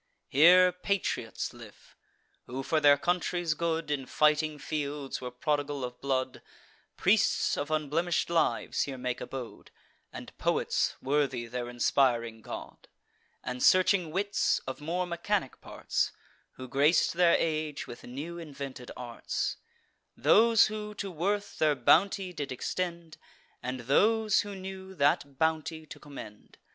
Here patriots live, who, for their country's good, In fighting fields, were prodigal of blood: Priests of unblemish'd lives here make abode, And poets worthy their inspiring god; And searching wits, of more mechanic parts, Who grac'd their age with new invented arts: Those who to worth their bounty did extend, And those who knew that bounty to commend.